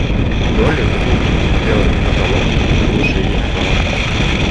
Долли задумчиво смотрела мимо золовки, слушая ее слова.